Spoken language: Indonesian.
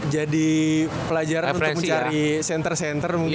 jadi pelajaran untuk mencari center center mungkin